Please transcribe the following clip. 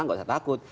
nggak usah takut